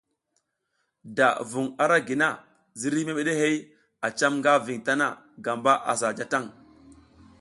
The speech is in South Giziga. Da vung ara gi na, ziriy memeɗehey a cam nga ving tana gamba sa ja tang.